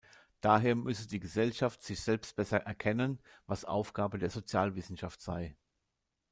Daher müsse die Gesellschaft sich selbst besser erkennen, was Aufgabe der Sozialwissenschaft sei.